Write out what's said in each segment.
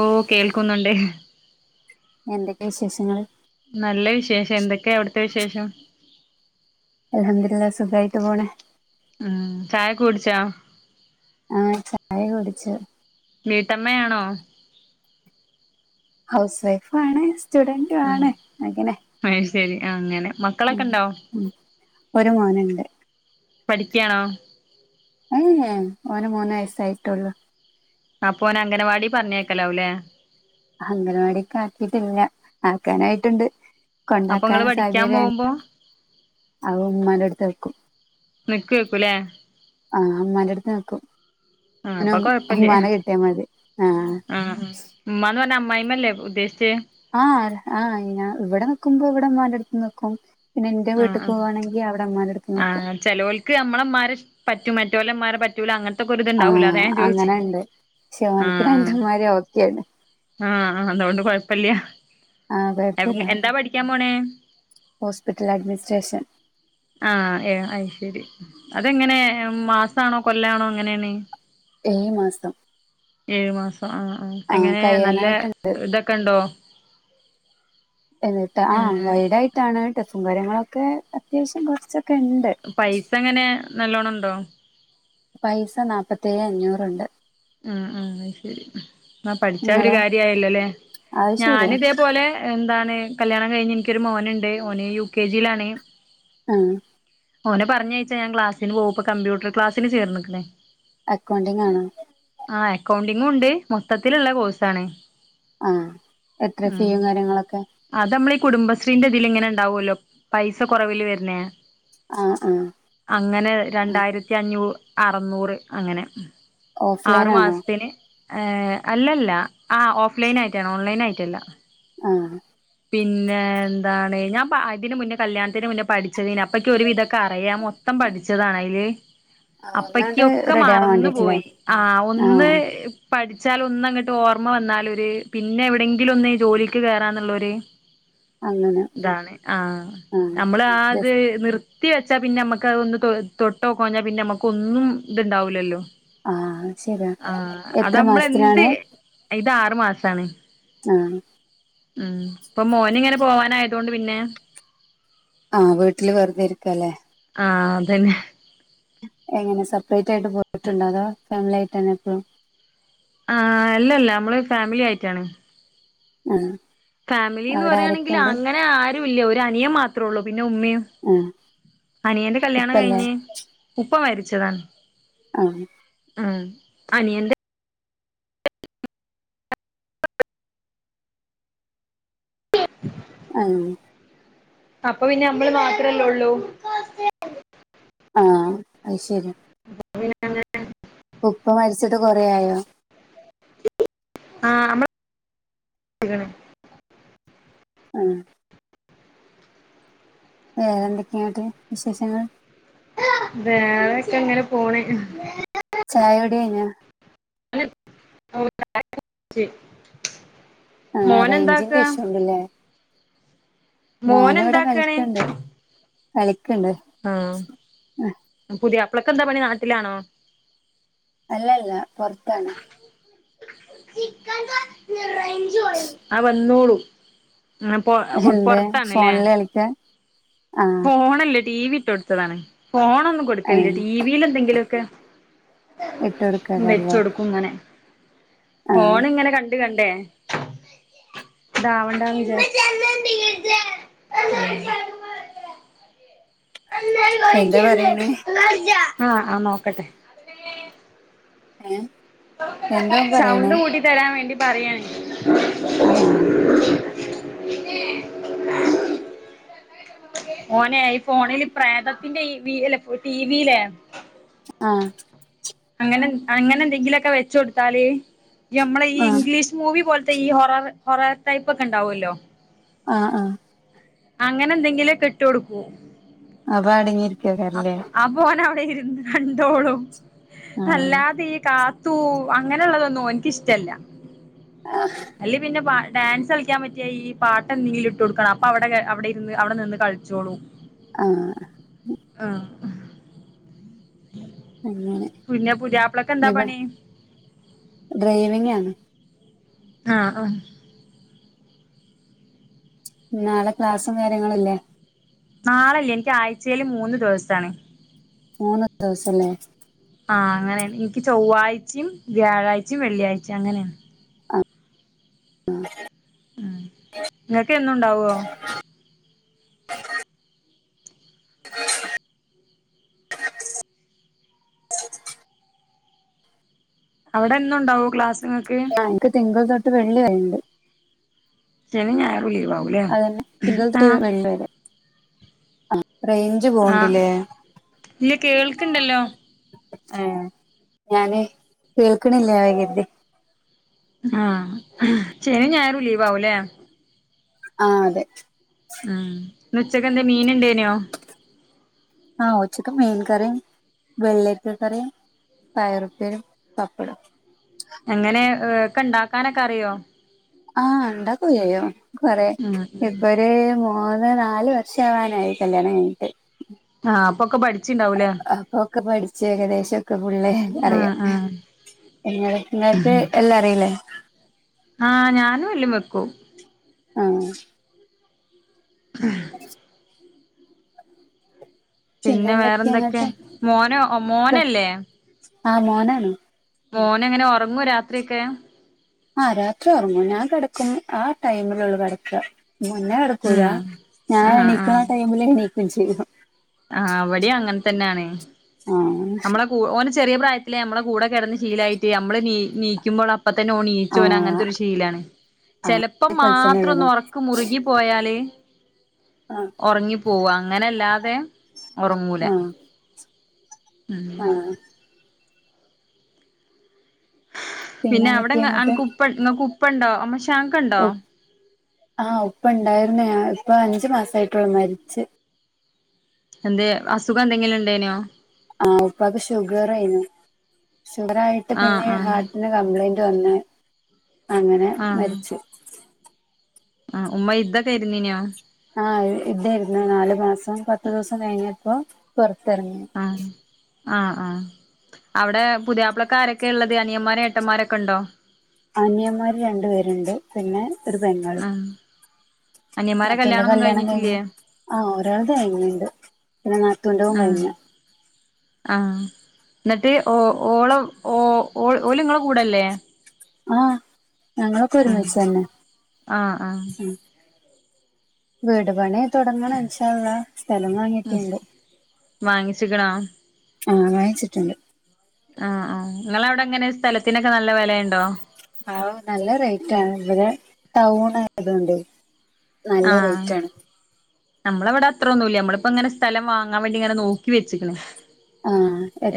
ഓഹ് കേൾക്കുന്നുണ്ട് എന്തെക്കെ വിശേഷങ്ങള്. നല്ല വിശേഷം എന്തൊക്കെ അവിടുത്തെ വിശേഷം അൽഹംദുലില്ലാ സുഖായിട്ട് പോണ് ആഹ് ചായൊക്കെ കുടിച്ചോ? ആഹ് ചായ കുടിച്ചു വീട്ടമ്മയാണോ ഹൗസ് വൈഫാണ് സ്റ്റുഡന്റുവാണ് അങ്ങനെ അയ്ശരി അങ്ങനെ മ ഉം ഉം ഒരു മോന്ണ്ട് പഠിക്കാണോ ഉം ഏ ഓന് മൂന്നെയ്സായിട്ടൊള്ളൂ. അപ്പോനെ അംഗനവാടീ പറഞ്ഞേക്കലാവുലേ? അംഗൻവാടീക്കാക്കീട്ടില്ല. ആക്കാനായിട്ട്ണ്ട്. [unintelligible] അപ്പൊ നിങ്ങള് കൊണ്ടാക്കാനും പഠിക്കാൻ സാഹചര്യ പോകുമ്പോ [unintelligible] അഅ് ഇമ്മാന്റട്ത്ത് വെക്കും. നിക്കെയ്ക്കുലേ? ആഹ് ഉമ്മാന്റെട്ത്ത് നിക്കും. ആ അപ്പൊ ഓന് ഉമ്മാനെ കിട്ട്യാ മതി ആഹ്. ആഹ് ഉമ്മാന്ന് പറഞ്ഞാ അമ്മായി മ്മല്ലെ ഉദ്ദേശിച്ചേ? ആഹ് ആഹ് ഞാ ഇവ്ടെ നിക്കുമ്പോ ഇവടെ ഉമ്മാന്റെ അടുത്ത് നിക്കും. പിന്നെ ഇന്റെ വീട്ട്ക്കോവാണെങ്കി, അവിടെമ്മാന്റട്ത്ത് നിക്കും. ചേലോൽക്ക് നമ്മളെമ്മാരെ പറ്റും, മറ്റോലെ ഇമ്മാരെ പറ്റ് റ്റൂല, അങ്ങൻത്തൊക്കെ ഇതുണ്ടാവൊല്ലൊ ആഹ് അതാ ഞാൻ ചോദിച്ചെ അങ്ങനെണ്ട്. പക്ഷെ ഓൻക്ക് ആഹ് ആഹ്. രണ്ടുമ്മാരി ഓക്കെയാണ്. ആഹ് ആഹ് അതോണ്ട് ക കൊഴപ്പല്ല്യ. ആഹ് എവ് കൊഴപ്പല്ല. എന്താ പഠിക്കാൻ പോണേ? Hospital administration. ആഹ് എ അത് ശരി. അതെങ്ങനെ മാസാണോ, കൊല്ലാണോ എങ്ങനേണ്? ഈ മാസം. ഏഴു മാസം ആഹ് ആ. ആഹ് എങ്ങനെ നല്ല കഴിയാനായിട്ടുണ്ട്. ഇതൊക്കെണ്ടോ? എന്നിട്ട് ആ വൈഡായി ണ്. ടെഫും കാര്യങ്ങളൊക്കെ, അത്യാവശ്യം കൊറച്ചൊക്കെണ്ട്. പൈസ ങ്ങെനെ? നല്ലോണംണ്ടോ? പൈസ നാപ്പത്തേയെ അഞ്ഞൂറ്ണ്ട്. ഉം ഉം. അയ്ശെരി. ന്നാ പഠിച്ച ഒരു നിങ്ങളോ കാര്യയല്ലോല്ലെ? അത് ശരിയാ ഞാന് ഇതേപോലെ എന്താണ്, കല്യാണം കഴിഞ്ഞ് ഇൻക്കൊരു മോന്ണ്ട്. ഓന് യു കെ ജി ലാണ്. ഉം ഓനെ പറഞ്ഞയച്ചാ ഞാൻ ക്ലാസിന് പോവും. ഇപ്പൊ കമ്പ്യൂട്ടർ ക്ലാസ്സ്‌ന് ചേർന്ന്ക്ക്ണ്. അക്കൗണ്ടിങ്ങാണ്. ആഹ് അക്കൗണ്ടിങ്ങും ണ്ട്, മൊത്തത്തിലുള്ള കോയ്സാണ്. ആഹ എത്ര ഫീയും കാര്യങ്ങളൊക്കെ അത് നമ്മള ഈ കുടുംബശ്രീന്റെ ഇതിൽ ഇങ്ങനെ ഉണ്ടാവല്ലോ പൈസ കുറവില് വരുന്ന ആ ആഹ അങ്ങനെ രണ്ടായിരത്തി അഞ്ഞൂ അറനൂറ് അങ്ങനെ ഓഫ്‌ലൈൻ ആറു ആണോ മാസത്തിന് അല്ലല്ല ആ ഓഫ്ലൈൻ ആയിട്ടാണ് ഓൺലൈന് ആയിട്ടല്ല ആഹ പിന്നെ എന്താണ് ഞാൻ ഇതിന് മുന്നേ കല്യാണത്തിന് മുന്നേ പഠിച്ചതെനി അപ്പ ഇക്ക്‌ ഒരുവിധൊക്കെ അറിയാം മൊത്തം പഠിച്ചതാണ് അയില് അപ്പ ഒന്നാണ്ട് ഇക്കൊക്കെ റെഡി ആവാൻ മറന്നു വേണ്ടിട്ടില്ലേ പോയി ആ ഒന്ന് ആഹ് പഠിച്ചാലൽ ഒന്ന ങ്ങോട്ട് ഓർമ്മ വന്നാലര് പിന്നെ എവിടെയെങ്കിലും ഒന്ന് ജോലിക്ക് കേയറാന്നുള്ളൊര് [inaudible] ഇതാണ് ആഹ ആഹ് നമ്മൾ ആത് ജസ്റ്റ് നിർ കുത്തി വെച്ചാ പിന്നെ നമ്മുക്ക് അതൊന്ന് തൊട്ടൊക്കോഞ്ഞാൽ പിന്നെ നമുക്ക ഒന്നും ഇത്ണ്ടാവില്ലല്ലോ ആഹ ശരിയാ എത്ര നമ്മളെന്ത് മാസത്തിനാണ് ഇത് ആറു മാസാണ് ആഹ ഉം പ്പംമോൻ ഇങ്ങനെ പോവാനായത കൊണ്ട് പിന്നെ ആഹ് വീട്ടില് വെറുതെരിക്ക അല്ലെ ആ അത് തന്നെ എങ്ങനെ സെപ്പറേറ്റ് ആയിട്ട് പോയിട്ടുണ്ടോ അതോ ഫാമിലി ആയിട്ട് തന്നെ എപ്പോഴും ആ അല്ലല്ലേ നമ്മള് ഫാമിലി ആയിട്ടാണ് ഉം ഫാമിലിന്ന് പറയാണെങ്കില്അങ്ങനെ ആരുംമില്ല ഒര് അനിയൻമാത്രള്ളു പിന്നെ ഉമ്മീമ്. ആ അനിയന്റെ കല്യാണം ഉപ്പല്ലേ കഴിഞ്ഞ് ഉപ്പ മരിച്ചതാണ്. ആ. ആഹ് അനിയന്റെ ആഹ് ഉം അപ്പൊ പിന്നെ അമ്മള് മാത്രല്ലേള്ളൂ. ആ അ അയ്ശെര്യാണ്. ഉപ്പ മര്ച്ചിട്ട് കൊറെആയോ? ആഹ് മ്മള് [inaudible] ക്ക്ണ്. ആ അ ഏ എന്തൊക്കെൺട്ട് വിശേഷങ്ങൾ? വേറെക്കെങ്ങെനെ പോണ്. ചായുടി കഴിഞ്ഞോ? ചി മോനന്താക്ക? ലില്ലേ മോന് ഇവ്ടെ മോനെന്താക്കാണ് കളിക്ക്ണ്ട് കളിക്ക്ണ്ട്. ആഹ് പുതിയപ്പളക്കെന്താ പണി നാട്ടിലാണോ? അല്ലല്ല പൊർത്താണ്. ആവന്നോളും. അ ഹെന്താ ഫോൺൽ കളിക്കാ ആഹ് ഫോണല്ല ടി വി ഇട്ട് കൊടുത്തതാണ് ഫോണോന്നും ഏ കൊടുക്കലില്ല ടിവിൽ എന്തെങ്കിലോക്കെ ഇട്ട് വെച്ച് കൊടുക്കാറല്ലേ കൊട്ക്കും ഇങ്ങനെ ആ ഫോൺ ഇങ്ങനെ കൺണ്ട് കണ്ടേ ദാവണ്ടന്ന് വിചരിച് [unintelligible] എന്താ പറയണേ ആഹ് ആഹ് നോക്കട്ടെ. ഏഹ് സൗണ്ട് കൂട്ടി തരാൻ വേണ്ടി പറയണേ. ആഹ് ഒനെ ഫോണില് പ്രേതത്തിന്റെ ഈ വീ എല്ലഫോ ടിവിലെ ആഹ് അങ്ങനെ അങ്ങനെ എന്തെങ്കിലും ഒക്കെ വെച്ച്കൊടുത്താല് യമ്മളെ ഈ ആഹ് ഇംഗ്ലീഷ് മൂവി പോലത്തെ ഈ ഹൊറർ ഹോറർ ടൈപ്പ് ഒക്കെ ഉണ്ടാവല്ലോ. ആഹ് ആഹ് അങ്ങനെ എന്തെങ്കിലോക്കെ ഇട്ട് കൊടുക്കും. അപ്പോ അടങ്ങിര് ആഹ് അപോൻ അവിടെ ഇരുന്ന് കണ്ടോളും ആഹ് അല്ലാതെ ഈ കാ തൂ അങ്ങനെള്ളതൊന്നും ഒൻക് ഇഷ്ടല്ല. ആഹ് അല്ലെ പിന്നെപ ഡാൻസ് കളിക്കാൻ പറ്റിയാ ഈ പാട്ട് എന്തെങ്കിലും ഇട്ട് കൊടുക്കണം. അപ്പൊ അവ്ടെഎ അവ് ടെയിരുന്ന് അവ്ടെ നിന്ന് കളിച്ചോളും. ആഹ് ആഹ് അങ്ങനെ പിന്നെ പുതിയാപ്ലക്ക് എന്താ ഞ്ഞിപ്പ പണി ഡ്രൈവിങ്ങാണ്. ആ ആ. നാളെ ക്ലാസ്സും കാര്യങ്ങളും ല്ലേ നാളയില്ല എനിക്ക് ആഴ്ചയിൽ മൂന്ന് ദിവസാണ് മൂന്ന് ദേവസംല്ലേ. ആഹ് അങ്ങനെണ് ഇൻക്ക് ചൊവ്വാഴ്ച്ചിം വ്യാഴാഴ്ച്ചിം വെള്ളിയഴ്ച്ചിം അങ്ങനെണ്. ആഹ് മ്മ് ഇങ്ങക്ക് എന്നുണ്ടാവോ? അവ്ടെന്നുണ്ടാവോ ക്ലാസ്സ് ഇങ്ങക്ക്? ആഹ് ഇൻക്ക് തിങ്കൾ തോട്ട് വെള്ളിരേണ്ട്. ശനിം ഞായറും ലീവാവും. അതന്നെ തിങ്കള ത വെള്ളി വരെ റേയ്ഞ്ച് ആഹ് പോവ്ണ്ട്ല്ലേ ഇല്ല കേൾക്കണ്ടല്ലോ ഏ ഞാന് കേൾക്കണില്ലേ [unintelligible] ആഹ് ശനി, ഞായറും ലീവ് ആവൂല്ലേ ആ അതെ ഉം ഉച്ചക്കെ എന്താ മീൻ ഉണ്ടേനോ ആഹ് ഉച്ചക്ക് മീൻ കറിയും വെള്ളരിക്ക കറിയും പയറുപ്പേരും പപ്പടം എങ്ങനെ ഒക്കെ ഉണ്ടാക്കാനൊക്കെ അറിയോ ആഹ് ഉണ്ടാക്കു ഒക്കെ യ്യും കൊറെ ഉം ഇപ്പൊ ഒരു മൂന്ന് നാല് വർഷം ആവാനായി കല്യാണം കഴിഞ്ഞിട്ട് ആഹ്പ്പൊക്കെ പഠിച്ചു അപ്പൊക്കെ പഠിച്ച ഏകദേശംഒക്കെ ഫുള്ളേ ആഹ് അറിയാം ആഹ് നിങ്ങക്ക് എല്ലാം അറിയില്ലേ ആഹ് ഞാനും എല്ലും വെക്കും ആഹ ആഹ് പിന്നെ വേറെ എന്തൊക്കെയാ എന്തൊക്കെ അങ്ങട്ട് മോന മോനല്ലേ ആഹ മോനാണ് മോന എങ്ങനെ ഉറങ്ങുവോ രാത്രിയൊക്കെ ആഹ് രാത്രി ഉറങ്ങൂ ഞാൻ കിടക്കും ആ ടൈമിലുള്ളൂ കിടക്കാ മുന്നേ കിടക്കൂല ഉം ഞാൻ ആഹ് എണീക്കുന്ന ആഹ് ടൈമില് എണീക്ക്യും ചെയ്യും ആഹ് ഇവിടീം അങ്ങനെ തന്നെയാണ് ആഹ് ഓന് ചെറിയ പ്രായത്തിലേ അമ്മള കൂടെ കടന്ന് ശീലായിട്ട് നമ്മള് നീ നീക്കുമ്പോൾ അപ്പ തന്നെ ണീച്ചോന ആഹ് അങ്ങനത്തെ ഒരു ശീലാണ് ആഹ് ചെിലപ്പോം അതേപോലെ തന്നെ മാത്രം വേണം ഒന്ന് ക്ക് മുറുകി പോയാല് ആഹ് ഉറങ്ങി പോവും അങ്ങനെല്ലാതെ ഉറങ്ങൂല ആഹ് ആഹ് പിന്നെ അവിടെ എന്തൊക്കെയാ നിങ്ങ അനക്ക് അങ്ങട്ട് ഉപ്പ ഉണ്ടോ നിങ്ങൾക് ഉപ്പ ഉണ്ടോ അമ്മോ ശാക്ക ഉണ്ടോ ആഹ് ഉപ്പ ഉണ്ടായിരുന്നയാ ഇപ്പൊ അഞ്ചു മാസയിട്ടൂളൂ മരിച്ചു എന്തേ അസുഖ എന്തെങ്കിലും ഉണ്ടേനോ ആഹ ഉപ്പാക്ക് ഷുഗർ ആരുന്നു ഷുഗർ ആയിട്ട് ആഹ് പിന്നെ ആഹ് ഹാർട്ടി കംപ്ലൈന്റ് വന്ന് അങ്ങനെ ആഹ് മരിച്ചു ആ ഉമ്മ ഇന്തക്കൊയിരുന്നീനോ ആഹ് ഇന്ത ഇരുന്നു നാലു മാസം പത്ത് ദിവസം കഴിഞ്ഞപ്പോ പുറത്തിറങ്ങി ആഹ ആഹ ആഹ അവിടെ പുതിയാപ്പ്ളക്കാരൊക്കെ ഉള്ളത് അനിയന്മാരും ഏട്ടന്മാരൊക്കെ ഉണ്ടോ അനിയമാര് രണ്ടു പേരുണ്ട് പിന്നെ ഒരു പെങ്ങളും ആ അനിയന്മാരെ നാത്തുന്റെ കല്യാണൊന്നും കല്യാണം കഴിഞ്ഞു കഴിഞ്ഞിട്ടില്ലേ ആ ഒരാൾടെ കഴിഞ്ഞ്ണ്ട് പിന്നെ നാത്തൂന്റവും കഴിഞ്ഞു ആഹ എന്നിട്ട് ഓ ഓള ഓ ഓ ഓലിങ്ങളെ കൂടല്ലേ ആഹ് ഞങ്ങളൊക്കെ ആ ഒരുമിച്ച് തന്നെ ആ ആ വീട് പണി തുടങ്ങണം ഇൻശാ അല്ലാഹ് സ്ഥലം വാങ്ങിട്ടെണ്ട് വാങ്ങിച്ചിക്ക്ണോ ആഹ വായിച്ചിട്ടുണ്ട് ആ ആ നിങ്ങള അവിടെ അങ്ങനെ സ്ഥലത്തിനൊക്കെ നല്ല വിലയുണ്ടോ ആഹ് നല്ല റേറ്റാണ് ഇവിടെ ടൗൺ ആയതോണ്ട് നല്ല റേറ്റ് ആണ് നമ്മളെവടെ അത്രൊന്നുല്ല നമ്മള്പ്പോങ്ങനെ സ്ഥലം വാങ്ങാൻ വേണ്ടിങ്ങനെ നോക്കി വെച്ച്ക്ക്ണ്. ആ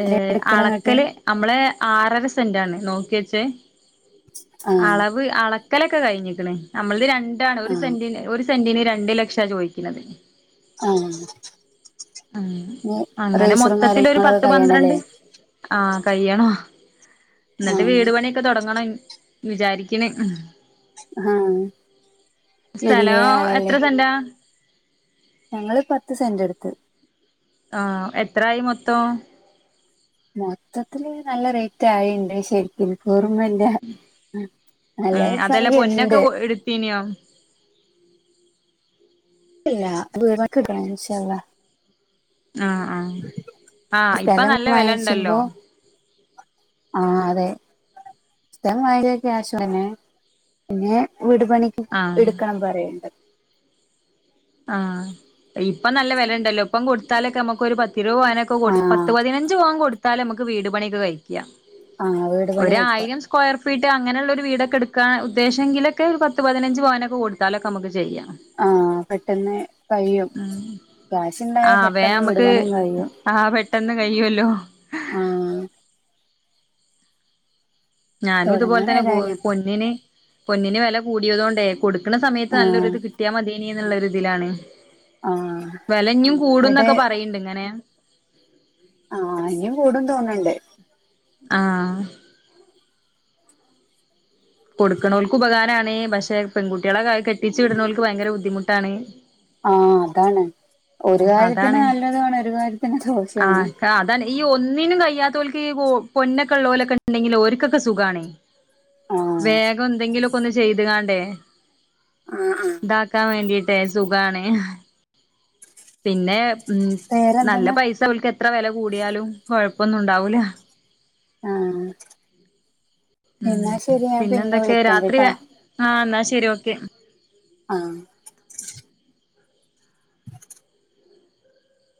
ഏ എടുക്കണം ഇങ്ങട്ട് അളക്കല് അമ്മളെ ആറര സെന്റാണ് നോക്യെച്ചേ ആഹ് ളവ് അളക്കലൊക്കെ കഴിഞ്ഞിക്ക്ണ്. നമ്മൾത് രണ്ടാണ്. ഒരു ആ സെന്റിന് ഒരു സെന്റിന് രണ്ട് ലക്ഷാ ചോയ് [unintelligible] ആഹ് ആഹ്. അങ്ങനെ മൊത്തത്തിലൊര് കാര്യങ്ങളൊക്കെ പത്ത്, കഴിയണല്ലേ പന്ത്രണ്ട്. ആഹ് കയ്യണം. ആ ഇന്ന്ട്ട് വീട് പണി- ക്കെ തൊടങ്ങണം വിചാരിക്ക്ണ്. ആ വലിയ സ്ഥലോ എത്ര ആളല്ലേ സെന്റാ? ഞങ്ങള് പത്ത് സെന്റെട്ത്ത്. ആഹ് എത്രായി മൊത്തോം? മൊത്തത്തില് നല്ല റേറ്റായിണ്ട് ശരി- ഇന്ക്കോർമല്ല. ആഹ് നല്ല സംഖ്യണ്ട്. ഇന്യോ? ഇല്ലാ വീട്പണിക്ക് [unintelligible] ആഹ് ആഹ് ആഹ് ഇപ്പൊ നല്ല വെലണ്ടല്ലോ. ആഹ് അതെ. സ്ഥലം വാങ്ങിയെ ക്യാഷോണ്ടെന്നേ. പിന്നെ വീട് പണി ആഹ് ഇട്ക്കാം പറയ്ണ്ട്. ആഹ്, ഇപ്പം നല്ല വെലണ്ടല്ലോ ഇപ്പം കൊട്ത്താലൊക്കമ്മക്ക് ഒരു പത്ത് ഇരുവത് പവനൊക്കെ ആ കൊട്- പത്ത് പതിനഞ്ച് പവൻ കൊടുത്താലമ്മക്ക് വീട്പണ്യോക്കെ കയ്ക്കാം. ആ വീട് പണി ആയിരിക്കും ഒരായിരം സ്- സ്ക്വയർ ഫീറ്റ് അങ്ങനെള്ളൊരു വീടൊക്കെ ഇട്ക്കാന ഉദ്ദേശെങ്കിലൊക്കെ ഒരു പത്ത്പതിനഞ്ച് പവനൊക്കെ കൊടുത്താലൊക്കമ്മക്ക് ചെയ്യാം. ആഹ് പെട്ടെന്ന് കയ്യും. ക്യാഷ്ണ്ടായാൽ ആഹ് വേം പെട്ടെന്ന് നമുക്ക് വിട്പണീം കയ്യും. ആഹ് പെട്ടെന്ന് കയ്യോലോ ആഹ് ഞാനും തുടങ്ങണം ഇത്പോലത്തന്നെ പൊ ഏതായാലും പൊന്നിന് പൊന്നിന് വെല കൂടിയതോണ്ടെ കൊട്ക്ക്ണ സമയത്ത് ആഹ് നല്ലൊര്ത് കിട്ട്യാ മത്യേനീന്ന്ള്ളൊര്ത്ൽ ആണ്. ആഹ് വെലഞ്ഞും എന്നിട്ട് കൂടുംന്നൊക്കെ പറയ്ണ്ട്ങ്ങനെ. ആഹ് ഇഞ്ഞും കൂടും തോന്ന്ണ്ട്. ആഹ് കൊട്ക്ക്ണോൽക്ക് ഉപകാരാണ് പശേ പെൺങ്കുട്ടിളെ കാ കെട്ടിച്ച് വിട്ണോൽക്ക് ഭയങ്കര ബുദ്ധിമുട്ടാണ്. ആഹ് അതാണ്. ഉം ഒര് കാര്യത്തിന് അതാണ് നല്ലതും ആണ്, ഒര് കാര്യത്തിന് ദോഷോം ആണ്. അതാണെ ഈ ഒന്നിനും കഴിയാത്തോൽക്കീ പൊന്നൊക്കെള്ളോലൊക്കെണ്ടെങ്കില് ഓര്ക്കൊക്കെ സുഖാണെ. ആഹ് വേഗം എന്തെങ്കിലൊക്കെ ഒന്ന് ചെയ്ത്ങ്ങാണ്ടെ ആഹ് ആഹ് ഇതാക്കാൻ വേണ്ടീട്ടേ സുഖാണ്. പിന്നെ ഉം നല്ല വേറെന്തെന്നാ പൈസ ഓൽക്ക് എത്ര വെല കൂട്യാലും കൊഴപ്പൊന്നുണ്ടാവൂല. ആഹ് ഉം ഇന്നാ ശെരി ഞാൻ പിന്നെ പിന്നെന്തൊക്കെ വിളിക്കണ്ട് രാത്രി ട്ടാ. ആഹ് ഇന്നാ ശെരി ഓക്കെ. ആഹ്